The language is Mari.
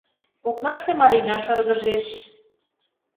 Окнаште Марина шыргыжеш.